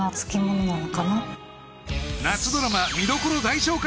夏ドラマ見どころ大紹介